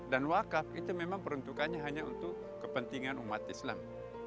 dan wakaf itu memang peruntukannya hanya untuk kepentingan umat islam